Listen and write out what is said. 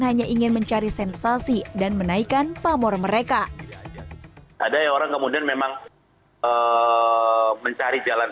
hanya ingin mencari sensasi dan menaikkan pamor mereka ada yang orang kemudian memang mencari jalan